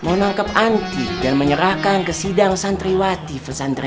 mau nangkap anti dan menyerahkan ke sidang santriwati pesantren ini